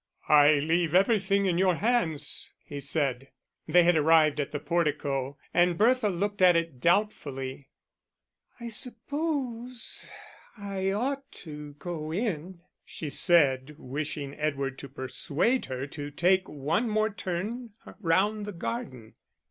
"I leave everything in your hands," he said. They had arrived at the portico, and Bertha looked at it doubtfully. "I suppose I ought to go in," she said, wishing Edward to persuade her to take one more turn round the garden.